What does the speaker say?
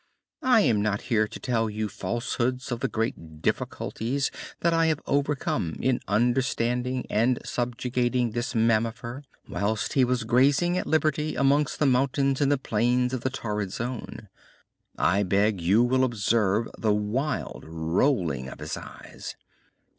I am not here to tell you falsehoods of the great difficulties that I have overcome in understanding and subjugating this mammifer, whilst he was grazing at liberty amongst the mountains in the plains of the torrid zone. I beg you will observe the wild rolling of his eyes.